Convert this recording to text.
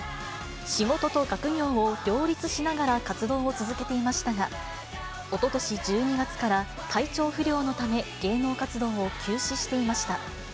仕事と学業を両立しながら活動を続けていましたが、おととし１２月から体調不良のため、芸能活動を休止していました。